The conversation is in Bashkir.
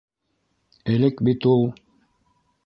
Элек бит ул...